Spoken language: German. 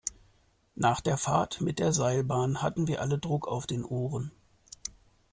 Nach der Fahrt mit der Seilbahn hatten wir alle Druck auf den Ohren.